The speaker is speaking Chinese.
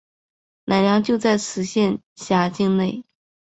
乃良就在此县辖境内。